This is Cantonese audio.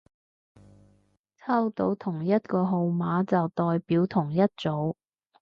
抽到同一個號碼就代表同一組